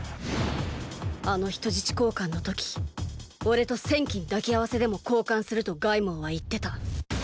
あの人質交換の時オレと千金抱き合わせでも交換すると凱孟は言ってた。